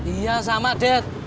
iya sama det